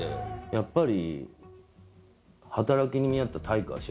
やっぱり。